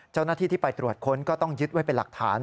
เจ้าหน้าที่ที่ไปตรวจค้นก็ต้องยึดไว้เป็นหลักฐาน